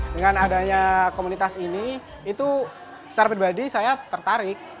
dengan adanya komunitas ini itu secara pribadi saya tertarik